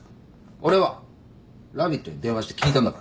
俺はラビットに電話して聞いたんだからな。